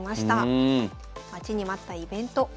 待ちに待ったイベント。